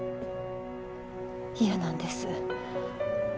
嫌なんです。